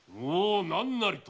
何なりと。